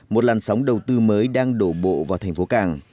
một làn sóng đầu tư mới đang đổ bộ vào thành phố cảng